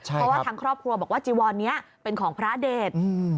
เพราะว่าทางครอบครัวบอกว่าจีวอนนี้เป็นของพระเดช